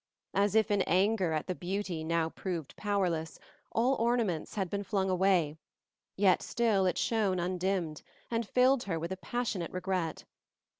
As if in anger at the beauty now proved powerless, all ornaments had been flung away, yet still it shone undimmed, and filled her with a passionate regret.